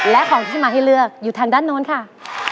และของที่มาให้เลือกอยู่ทางด้านโน้นค่ะ